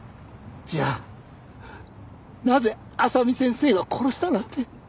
じゃあなぜ麻美先生が殺したなんて。